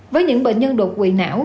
với những bệnh nhân đột quỵ não